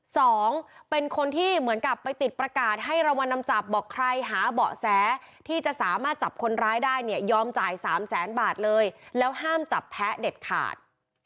สองคนที่เหมือนกับไปติดประกาศให้รางวัลนำจับบอกใครหาเบาะแสที่จะสามารถจับคนร้ายได้เนี่ยยอมจ่ายสามแสนบาทเลยแล้วห้ามจับแพ้เด็ดขาด